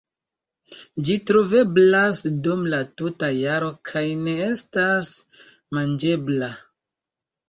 Ĝi troveblas dum la tuta jaro kaj ne estas manĝebla.